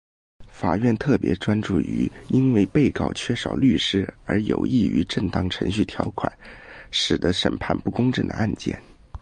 法院特别专注于因为被告缺少律师而有异于正当程序条款使得审判不公正的案件。